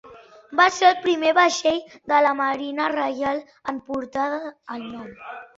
Va ser el primer vaixell de la marina reial en portar el nom.